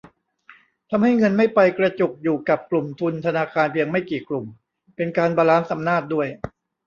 ทำให้เงินไม่ไปกระจุกอยู่กับกลุ่มทุนธนาคารเพียงไม่กี่กลุ่ม เป็นการบาลานซ์อำนาจด้วย